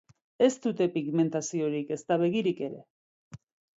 Ez dute pigmentaziorik, ezta begirik ere.